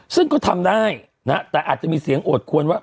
ซึ่งก็ทำได้นะแต่อาจจะมีเสียงโอดควรว่า